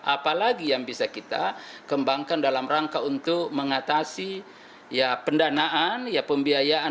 apalagi yang bisa kita kembangkan dalam rangka untuk mengatasi ya pendanaan ya pembiayaan